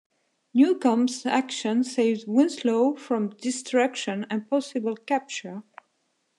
Newcomb's actions saved "Winslow" from destruction and possible capture.